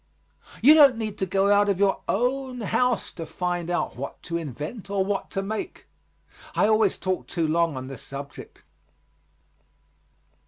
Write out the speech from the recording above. You don't need to go out of your own house to find out what to invent or what to make. I always talk too long on this subject.